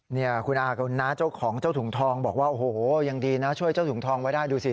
เนี่ยคุณอากรุณาเจ้าของเจ้าถุงทองบอกว่าโอ้โหยังดีนะช่วยเจ้าถุงทองไว้ได้ดูสิ